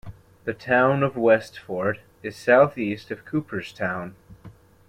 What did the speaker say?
The Town of Westford is southeast of Cooperstown.